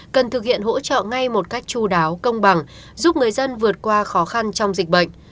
cần thực hiện hỗ trợ ngay một cách chú đáo công bằng giúp người dân vượt qua khó khăn trong dịch bệnh